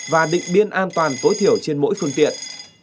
và định biên an toàn tối thiểu trên mỗi phương tiện